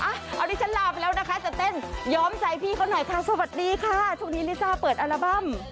เอาที่ฉันลาไปแล้วนะคะจะเต้นย้อมใจพี่เขาหน่อยค่ะสวัสดีค่ะช่วงนี้ลิซ่าเปิดอัลบั้ม